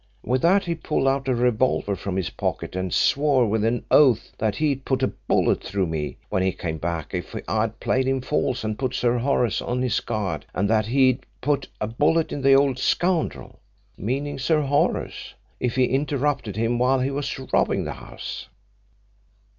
With that he pulled out a revolver from his pocket, and swore with an oath that he'd put a bullet through me when he came back if I'd played him false and put Sir Horace on his guard, and that he'd put a bullet in the old scoundrel meaning Sir Horace if he interrupted him while he was robbing the house.